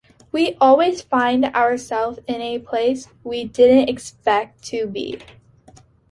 We always find ourselves in a place we didn't expect to be.